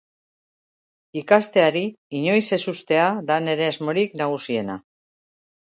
Ikasteari inoiz ez uztea da nire asmorik nagusiena.